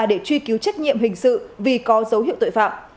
để truy cứu trách nhiệm hình sự vì có dấu hiệu tội phạm